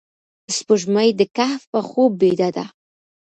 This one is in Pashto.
سپوږمۍ د کهف په خوب بیده ده